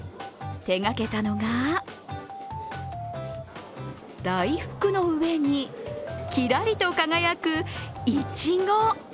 手がけたのが、大福の上にキラリと輝くいちご。